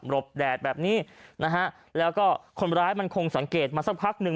บแดดแบบนี้นะฮะแล้วก็คนร้ายมันคงสังเกตมาสักพักหนึ่ง